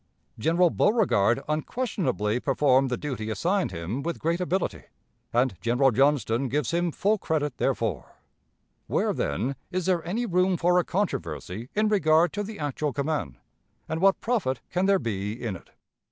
"General Beauregard unquestionably performed the duty assigned him with great ability, and General Johnston gives him full credit therefor. Where, then, is there any room for a controversy in regard to the actual command, and what profit can there be in it?